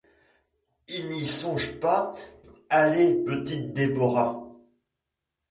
Il n'y songe pas, allez, petite Déborah.